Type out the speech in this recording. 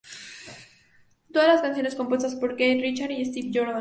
Todas las canciones compuestas por Keith Richards y Steve Jordan.